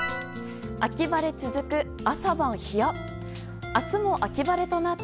秋晴れ続く、朝晩ヒヤッ。